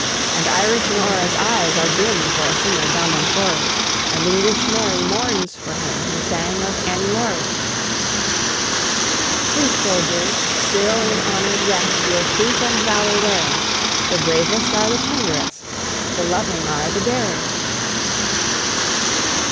And Irish Nora's eyes are dim For a singer, dumb and gory; And English Mary mourns for him Who sang of "Annie Laurie." Sleep, soldiers! still in honoured rest Your truth and valour wearing: The bravest are the tenderest, The loving are the daring.